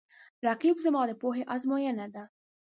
رقیب زما د پوهې آزموینه ده